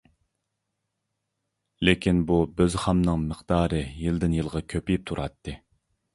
لېكىن بۇ بۆز-خامنىڭ مىقدارى يىلدىن-يىلغا كۆپىيىپ تۇراتتى.